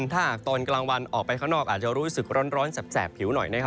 ถ้าหากตอนกลางวันออกไปข้างนอกอาจจะรู้สึกร้อนแสบผิวหน่อยนะครับ